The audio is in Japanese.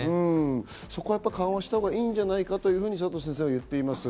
緩和したほうがいいんじゃないかと佐藤先生は言っています。